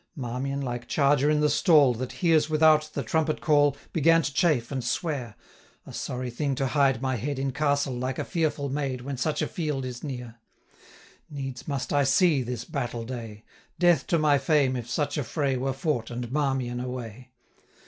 Marmion, like charger in the stall, That hears, without, the trumpet call, Began to chafe, and swear: 'A sorry thing to hide my head 1025 In castle, like a fearful maid, When such a field is near! Needs must I see this battle day: Death to my fame if such a fray Were fought, and Marmion away!